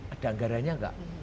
ada anggaranya enggak